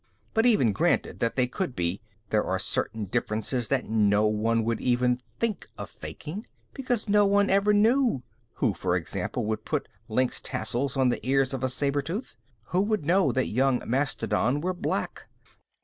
But even granting that they could be, there are certain differences that no one would ever think of faking, because no one ever knew. Who, as an example, would put lynx tassels on the ears of a saber tooth? Who would know that young mastodon were black?